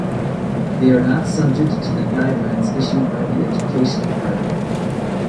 They are not subject to the guidelines issued by the Education Department.